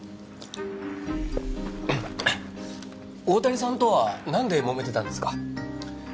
大谷さんとはなんで揉めてたんですか？